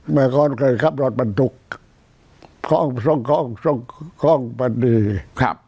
มาก่อนเคยขับรถมันถูกคล่องส่งคล่องส่งคล่องมันดีครับ